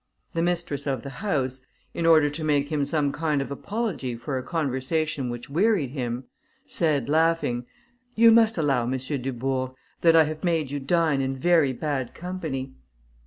The mistress of the house, in order to make him some kind of apology for a conversation which wearied him, said, laughing, "You must allow, M. Dubourg, that I have made you dine in very bad company."